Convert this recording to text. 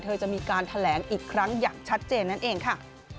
เธอจะมีการแถลงอีกครั้งอย่างชัดเจนนั่นเองค่ะ